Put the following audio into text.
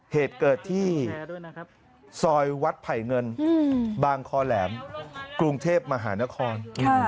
เหตุเกิดที่ซอยวัดไผ่เงินบางคอแหลมกรุงเทพมหานคร